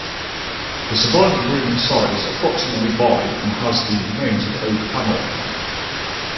The surviving room inside is approximately by and has the remains of oak panelling.